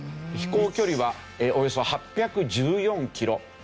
飛行距離はおよそ８１４キロ。